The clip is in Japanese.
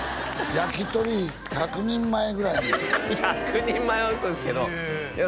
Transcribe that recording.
焼き鳥１００人前ぐらい１００人前は嘘ですけどいや